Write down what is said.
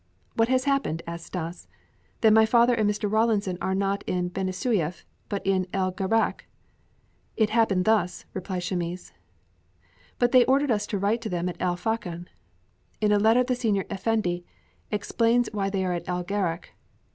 "What has happened?" asked Stas. "Then my father and Mr. Rawlinson are not in Benisueif but in El Gharak?" "It happened thus," replied Chamis. "But they ordered us to write to them at El Fachn." "In a letter the senior effendi explains why they are in El Gharak."